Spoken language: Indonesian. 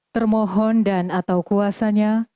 termohon dan atau kuasanya